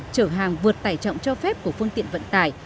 trở hàng vượt tài trọng cho phép của phương tiện vận tải